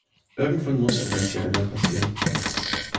Irgendwann musste dies ja einmal passieren.